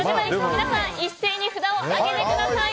皆さん一斉に札を上げてください。